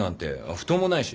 布団もないし。